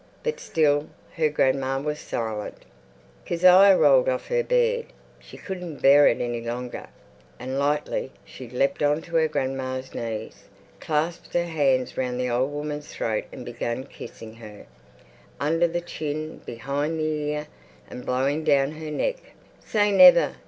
But still her grandma was silent. Kezia rolled off her bed; she couldn't bear it any longer, and lightly she leapt on to her grandma's knees, clasped her hands round the old woman's throat and began kissing her, under the chin, behind the ear, and blowing down her neck. "Say never...